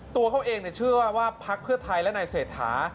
ตัวเขาเองเชื่อว่าพักเพื่อไทยและนายเศรษฐา